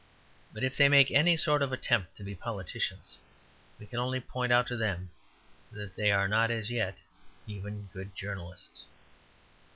But if they make any sort of attempt to be politicians, we can only point out to them that they are not as yet even good journalists.